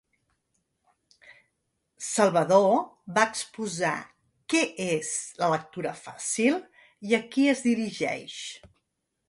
Salvador va exposar què és la lectura fàcil i a qui es dirigeix.